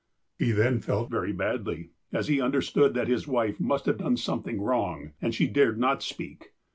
'' He then felt very badly, as he understood that his wife must have done something wrong, as she dared not speak.